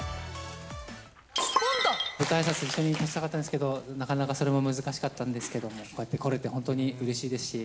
舞台あいさつ、一緒に立ちたかったんですけど、なかなかそれも難しかったんですけれども、こうやって来れて本当にうれしいですし。